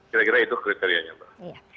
kira kira itu kriterianya mbak